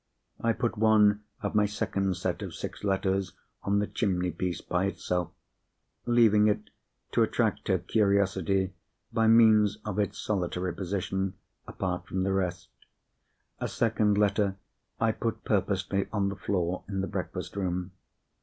I put one of my second set of six letters on the chimney piece by itself; leaving it to attract her curiosity, by means of its solitary position, apart from the rest. A second letter I put purposely on the floor in the breakfast room.